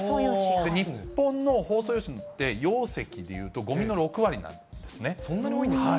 日本の包装用紙って、容積でいうとごみの６割なんですね。